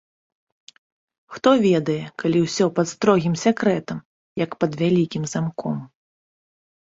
Хто ведае, калі ўсё пад строгім сакрэтам, як пад вялікім замком.